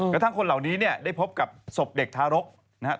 กระทั่งคนเหล่านี้เนี่ยได้พบกับศพเด็กทารกนะฮะ